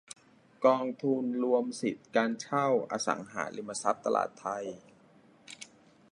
กองทุนรวมสิทธิการเช่าอสังหาริมทรัพย์ตลาดไท